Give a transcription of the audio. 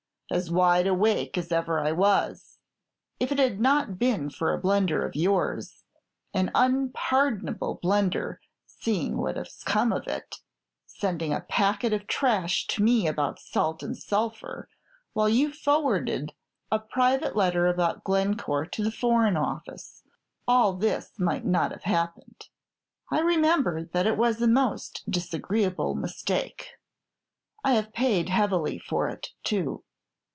"As wide awake as ever I was. If it had not been for a blunder of yours, an unpardonable blunder, seeing what has come of it, sending a pack of trash to me about salt and sulphur, while you forwarded a private letter about Glencore to the Foreign Office, all this might not have happened." "I remember that it was a most disagreeable mistake. I have paid heavily for it, too.